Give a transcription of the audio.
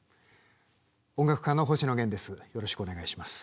音楽家の星野源です。